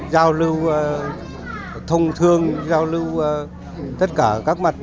giao lưu thông thương giao lưu tất cả các mặt